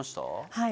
はい。